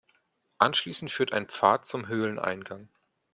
Anschließend führt ein Pfad zum Höhleneingang.